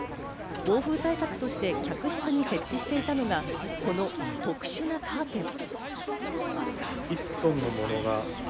防風対策として客室に設置していたのが、この特殊なカーテン。